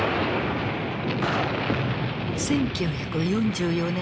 １９４４年７月。